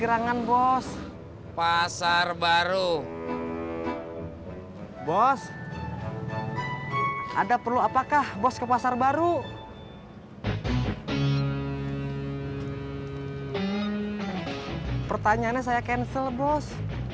tangan bos pasar baru bos ada perlu apakah bos ke pasar baru pertanyaannya saya cancel bos